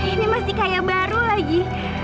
ini masih kayak baru lagi